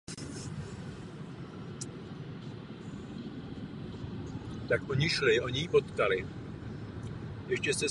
Uprchlíci museli opustit své domovy v rámci výměny obyvatelstva podle mírové smlouvy v Lausanne.